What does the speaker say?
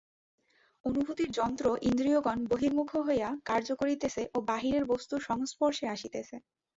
অনুভূতির যন্ত্র ইন্দ্রিয়গণ বহির্মুখ হইয়া কার্য করিতেছে ও বাহিরের বস্তুর সংস্পর্শে আসিতেছে।